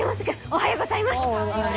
おはようございます。